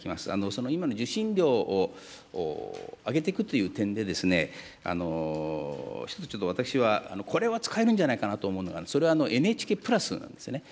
その今の受信料を上げていくという点でですね、１つちょっと私は、これは使えるんじゃないかなと思うのが、それはＮＨＫプラスなんですね。